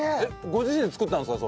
ご自身で作ったんですか？